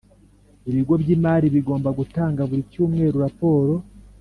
Ibigo by’imari bigomba gutanga buri cyumweru raporo